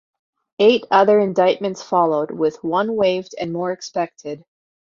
Eight other indictments followed, with one waived and more expected.